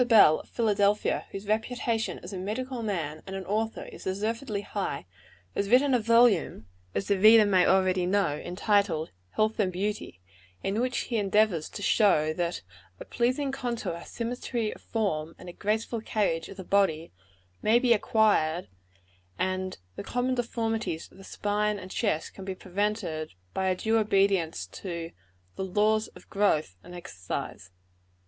Bell, of Philadelphia, whose reputation as a medical man and an author is deservedly high, has written a volume, as the reader may already know, entitled, "Health and Beauty" in which he endeavors to show that "a pleasing contour, symmetry of form, and a graceful carriage of the body," may be acquired, and "the common deformities of the spine and chest be prevented," by a due obedience to the "laws of growth and exercise."